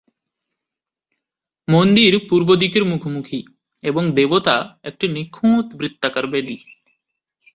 মন্দির পূর্ব দিকের মুখোমুখি এবং দেবতা একটি নিখুঁত বৃত্তাকার বেদি।